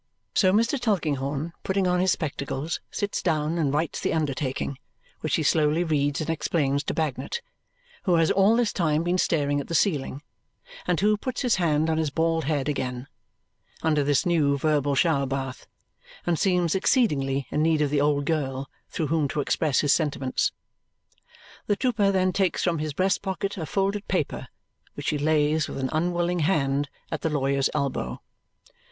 So Mr. Tulkinghorn, putting on his spectacles, sits down and writes the undertaking, which he slowly reads and explains to Bagnet, who has all this time been staring at the ceiling and who puts his hand on his bald head again, under this new verbal shower bath, and seems exceedingly in need of the old girl through whom to express his sentiments. The trooper then takes from his breast pocket a folded paper, which he lays with an unwilling hand at the lawyer's elbow.